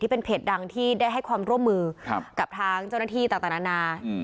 เป็นเพจดังที่ได้ให้ความร่วมมือกับทางเจ้าหน้าที่ต่างนานา